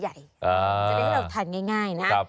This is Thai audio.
จะได้ให้เราทานง่ายนะ